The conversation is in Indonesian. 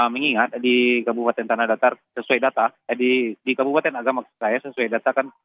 mengingat di kabupaten tanah datar sesuai data di kabupaten agama saya sesuai data kan